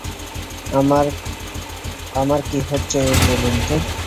আমার কী হচ্ছে বলুন তো?